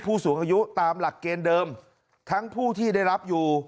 ผู้สูงอายุตามหลักเกณฑ์เดิมทั้งผู้ที่ได้รับอยู่